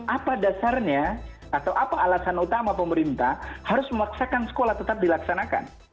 apa dasarnya atau apa alasan utama pemerintah harus memaksakan sekolah tetap dilaksanakan